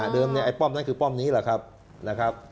เดิมเนี่ยไอ้ป้อมนั่นคือป้อมนี้แหละครับนะครับ